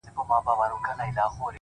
لاسونه ښکلوي! ستا په لمن کي جانانه!